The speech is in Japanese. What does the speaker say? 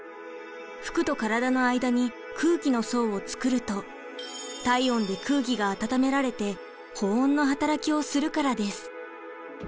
服と体の間に空気の層を作ると体温で空気が温められて保温の働きをするからです。